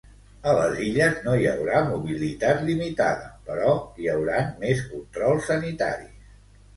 A les Illes no hi haurà mobilitat limitada, però hi hauran més controls sanitaris.